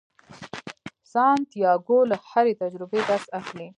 سانتیاګو له هرې تجربې درس اخلي.